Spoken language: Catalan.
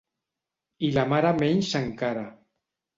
I la mare menys encara.